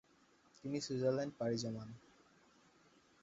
তিনি সুইজারল্যান্ড পাড়ি জমান ।